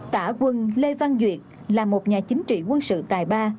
tã quân lê văn duyệt là một nhà chính trị quân sự tài ba